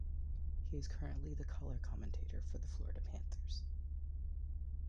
He is currently the color commentator for the Florida Panthers.